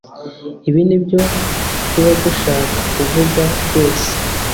ibi nibyo tuba dushaka kuvuga rwose